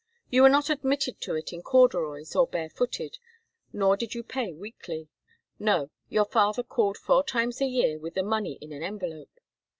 You were not admitted to it in corduroys or bare footed, nor did you pay weekly; no, your father called four times a year with the money in an envelope.